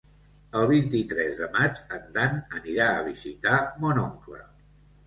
El vint-i-tres de maig en Dan anirà a visitar mon oncle.